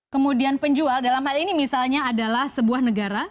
kemudian penjual dalam hal ini misalnya adalah sebuah negara